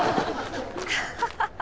ハハハハ！